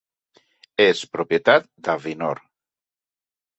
És propietat d'Avinor.